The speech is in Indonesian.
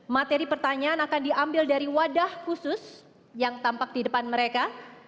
materi pertanyaan akan diambil dari wadah khusus yang tampak di depan mereka